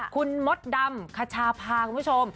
คุณมดดำคชาพาคุณผู้ชม